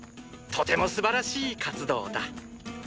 とてもすばらしい活動だ！